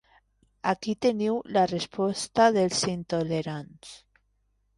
Aquí teniu la resposta dels intolerants.